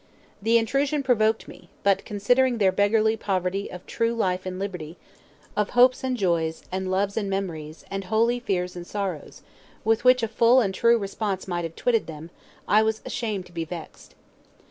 The intrusion provoked me; but, considering their beggarly poverty of true life and liberty, of hopes and joys, and loves and memories, and holy fears and sorrows, with which a full and true response might have twitted them, I was ashamed to be vexed.